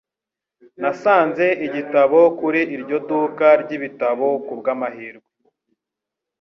Nasanze igitabo kuri iryo duka ryibitabo kubwamahirwe.